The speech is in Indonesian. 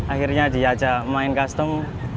akhirnya diajak main custom